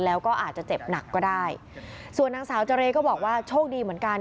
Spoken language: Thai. แล้วก็อาจจะเจ็บหนักก็ได้ส่วนนางสาวเจรก็บอกว่าโชคดีเหมือนกัน